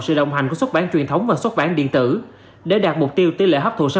sự đồng hành của xuất bản truyền thống và xuất bản điện tử để đạt mục tiêu tỷ lệ hấp thụ sản